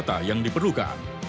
saya sisi persa